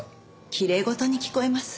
きれい事に聞こえます？